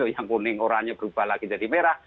yang kuning oranye berubah lagi jadi merah